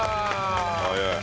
早い。